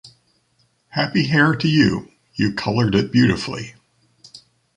Happy hair to you. You colored it beautifully.